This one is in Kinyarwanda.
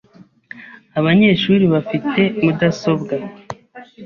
Abanyeshuri bafite mudasobwa.